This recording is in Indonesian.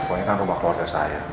pokoknya kan rumah keluarga saya